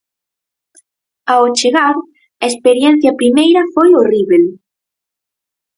Ao chegar, a experiencia primeira foi horríbel.